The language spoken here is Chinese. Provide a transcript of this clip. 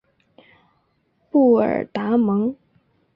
布尔达蒙。